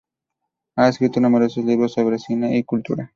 Ha escrito numerosos libros sobre cine y cultura.